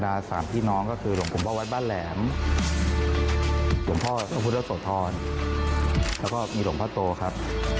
หัวหัดภูมิครับ